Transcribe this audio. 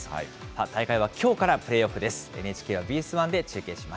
大会はきょうからプレーオフです。